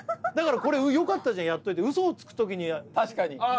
これよかったじゃんやっといてウソをつく時に確かにあ